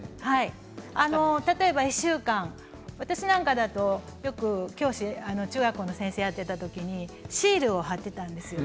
例えば１週間、私なんかだとよく中学校の先生をやっていた時にシールを貼っていたんです